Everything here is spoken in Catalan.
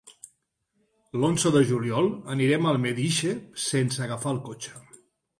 L'onze de juliol anirem a Almedíxer sense agafar el cotxe.